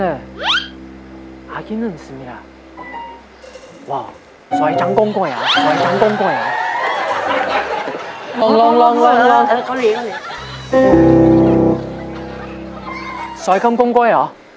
เออเกาหลี